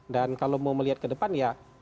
dan kalau mau melihat ke depan ya